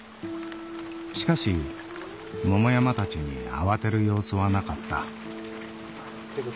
しかし桃山たちに慌てる様子はなかった。